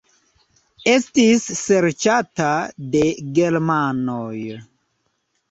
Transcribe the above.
Estis serĉata de germanoj.